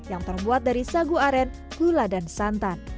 yang terbuat dari sagu aren gula dan santan